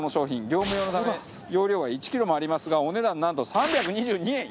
業務用のため容量は１キロもありますがお値段なんと３２２円。